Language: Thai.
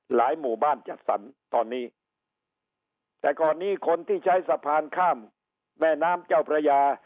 หมู่บ้านจัดสรรตอนนี้แต่ก่อนนี้คนที่ใช้สะพานข้ามแม่น้ำเจ้าพระยา